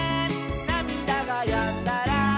「なみだがやんだら」